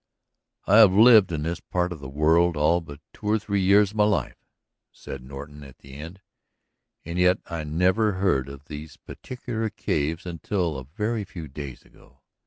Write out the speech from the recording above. "I have lived in this part of the world all but two or three years of my life," said Norton at the end, "and yet I never heard of these particular caves until a very few days ago.